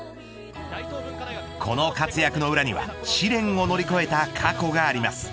この活躍の裏には試練を乗り越えた過去があります。